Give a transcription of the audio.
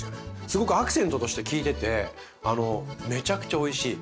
すごくアクセントとして効いててめちゃくちゃおいしい。